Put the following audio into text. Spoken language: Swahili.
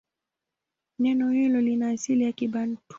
Neno hilo lina asili ya Kibantu.